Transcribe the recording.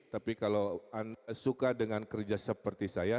tapi kalau suka dengan kerja seperti saya